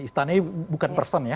istana ini bukan person ya